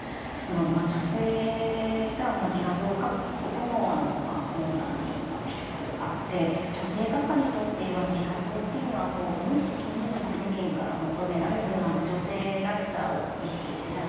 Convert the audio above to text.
女性が自画像を描くことの困難っていうのが一つあって女性画家にとって自画像っていうのは無意識に世間から求められる女性らしさを意識せざるをえない。